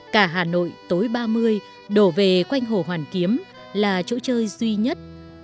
cả hà nội tối ba mươi đổ về quanh hồ hoàn kiếm là chỗ chơi duy nhất